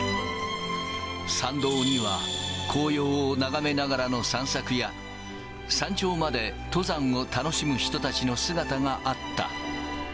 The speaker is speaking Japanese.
山道には紅葉を眺めながらの散策や、山頂まで登山を楽しむ人たちの姿があった。